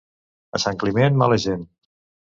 A Sant Climent, mala gent.